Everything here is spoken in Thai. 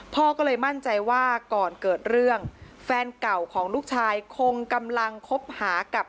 พ่อก็เลยมั่นใจว่าก่อนเกิดเรื่องแฟนเก่าของลูกชายคงกำลังคบหากับ